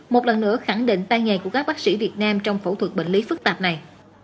một lần nữa khẳng định tay nghề của các bác sĩ việt nam trong phẫu thuật bệnh lý phức tạp này